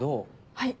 はい。